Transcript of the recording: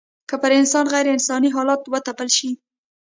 که پر انسان غېر انساني حالات وتپل سي